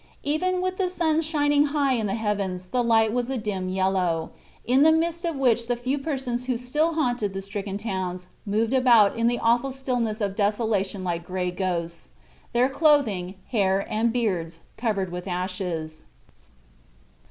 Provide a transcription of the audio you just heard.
Even with the sun shining high in the heavens the light was a dim yellow, in the midst of which the few persons who still haunted the stricken towns moved about in the awful stillness of desolation like gray ghosts, their clothing, hair and beards covered with ashes.